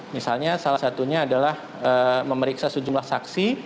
misalnya salah satunya adalah memeriksa sejumlah saksi